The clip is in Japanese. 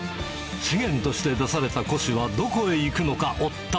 資源として出された古紙はどこへ行くのか、追った。